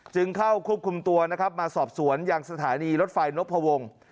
จึงเข้าคุบคุมตัวมาสอบสวนอย่างสถานีรถไฟนกพวง